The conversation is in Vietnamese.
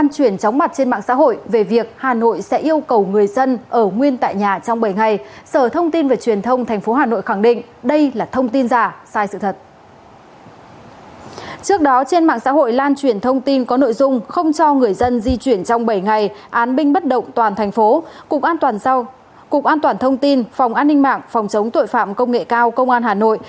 cục an toàn thông tin phòng an ninh mạng phòng chống tội phạm công nghệ cao công an hà nội